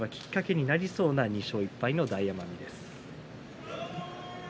きっかけになりそうな２勝１敗です。